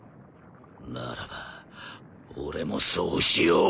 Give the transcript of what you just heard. ならば俺もそうしよう。